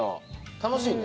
楽しいね。